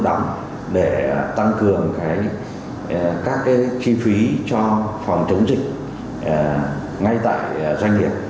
đóng để tăng cường các chi phí cho phòng chống dịch ngay tại doanh nghiệp